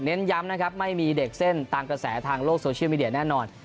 ย้ำนะครับไม่มีเด็กเส้นตามกระแสทางโลกโซเชียลมีเดียแน่นอน